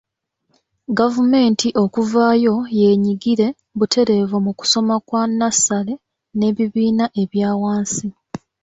Gavumenti okuvaayo yeenyigire butereevu mu kusoma kwa nnassale n’ebibiina ebya wansi.